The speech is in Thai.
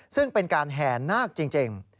ซึ่งเป็นการแห่นาคจริง